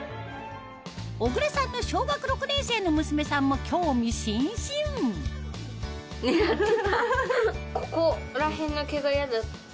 小倉さんの小学６年生の娘さんも興味津々教えて。